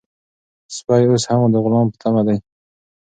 سپی اوس هم د غلام په تمه دی.